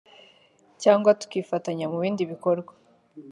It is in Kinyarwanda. cyangwa tukifatanya mu bindi bikorwa